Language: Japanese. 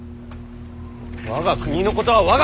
我が国のことは我が国！